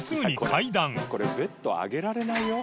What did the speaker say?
海ベッド上げられないよ？